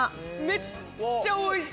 めっちゃおいしい！